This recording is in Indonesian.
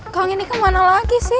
kang ini kemana lagi sih